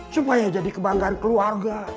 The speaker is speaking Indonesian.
supaya jadi kebanggaan keluarga